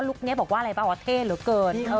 ่งบอกว่าอะไรเปล่าเท่หรือกิน